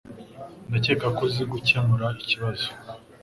Ndakeka ko uzi gukemura ikibazo.